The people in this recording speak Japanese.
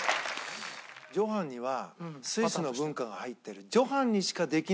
ジョハンにはスイスの文化が入ってる。